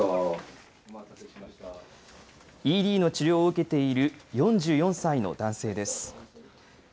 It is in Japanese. ＥＤの治療を受けている４４歳の男性です。